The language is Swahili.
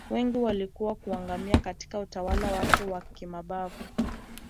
Wengi waliweza kuangamia Katika utawala wake wa kimabavu